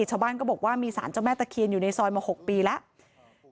ชาวบ้านก็บอกว่ามีสารเจ้าแม่ตะเคียนอยู่ในซอยมา๖ปีแล้ว